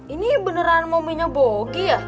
ini beneran momennya bogi ya